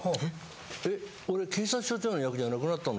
「えっ俺警察署長の役じゃなくなったの？」